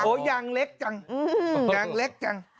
โอ้ยยางเล็กจัง